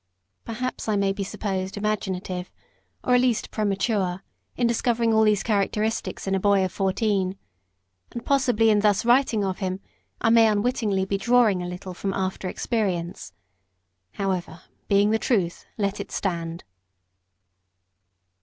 Perhaps I may be supposed imaginative, or, at least, premature in discovering all these characteristics in a boy of fourteen; and possibly in thus writing of him I may unwittingly be drawing a little from after experience; however, being the truth, let it stand.